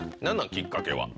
きっかけは。